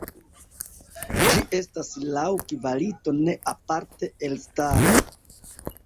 Ĝi estas laŭ kvalito ne aparte elstara.